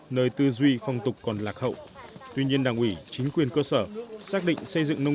nơi tư duy phong tục còn lạc hậu tuy nhiên đảng ủy chính quyền cơ sở xác định xây dựng nông